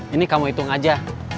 ini kamu hitung aja